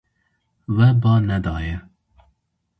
We ba nedaye.